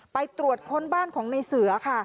ไปตรวจค้นบ้านของในเสือค่ะ